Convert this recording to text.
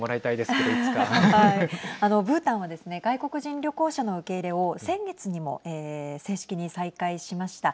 あのブータンは外国人旅行者の受け入れを先月にも正式に再開しました。